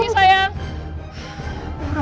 ros kasihan banget rena